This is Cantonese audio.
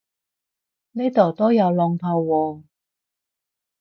呢度都有龍圖喎